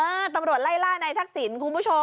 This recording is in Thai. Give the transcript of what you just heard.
เออตำรวจไล่ล่าในทักศิลป์คุณผู้ชม